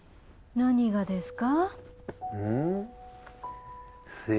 誰がですか？